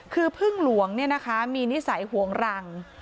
คือพึ่งหลวงเนี่ยนะคะมีนิสัยหวงรัง